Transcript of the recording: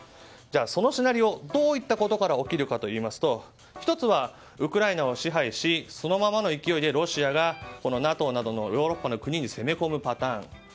じゃあ、そのシナリオどういったことから起きるかといいますと１つは、ウクライナを支配しそのままの勢いでロシアがＮＡＴＯなどのヨーロッパの国に攻め込むパターン。